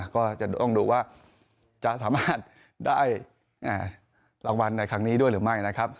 ก็จะต้องดูว่าจะสามารถได้รางวัลในครั้งนี้ด้วยหรือไม่นะครับ